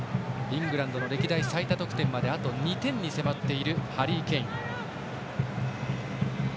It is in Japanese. イングランドの歴代最多得点まであと２点に迫っているハリー・ケイン。